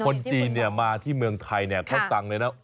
คนจีนมาที่เมืองไทยเขาสั่งเลยนะ